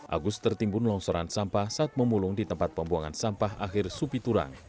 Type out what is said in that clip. agus tertimbun longsoran sampah saat memulung di tempat pembuangan sampah akhir supi turang